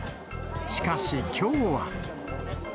しかし、きょうは。